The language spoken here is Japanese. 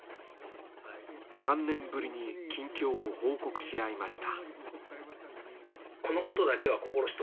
３年ぶりに近況を報告し合いました。